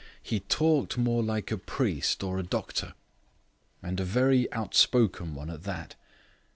He talked more like a priest or a doctor, and a very outspoken one at that.